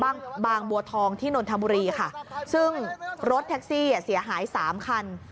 บางบางบัวทองที่นนทบุรีค่ะซึ่งรถแท็กซี่อ่ะเสียหายสามคัน